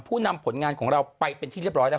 ผู้นำผลงานของเราไปเป็นที่เรียบร้อยแล้ว